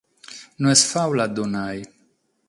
No est fàula a lu nàrrere.